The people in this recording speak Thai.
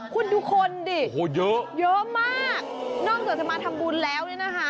คุณทุกคนเยอะมากนอกส่วนจะมาทำบุญแล้ว